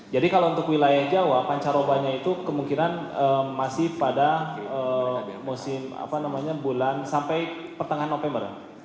jadi kalau untuk wilayah jawa pancarobanya itu kemungkinan masih pada musim bulan sampai pertengahan november